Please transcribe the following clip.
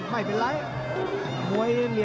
ไม่เป็นไร